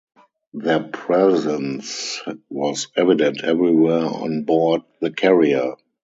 Their presence was evident everywhere on board the carrier.